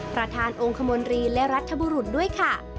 ประธานองค์คมนตรีและรัฐบุรุษด้วยค่ะ